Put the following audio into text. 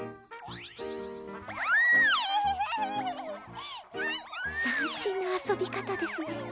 わぁあははは斬新な遊び方ですね